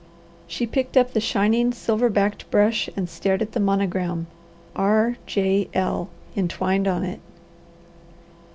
She picked up the shining, silver backed brush and stared at the monogram, R. F. L, entwined on it.